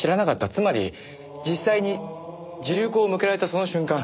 つまり実際に銃口を向けられたその瞬間